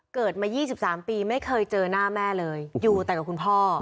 เกิดมา๒๓ปีไม่เคยเจอหน้าแม่เลยอยู่แต่กับคุณพ่อ